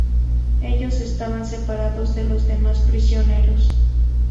Ellos estaban separados de los demás prisioneros.